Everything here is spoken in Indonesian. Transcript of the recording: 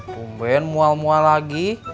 pumben muwal mual lagi